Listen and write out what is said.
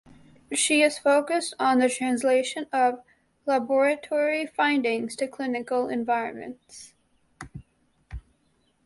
She is focused on the translation of laboratory findings to clinical environments.